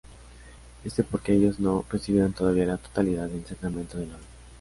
Esto porque ellos no recibieron todavía la totalidad del sacramento del orden.